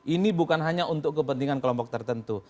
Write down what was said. ini bukan hanya untuk kepentingan kelompok tertentu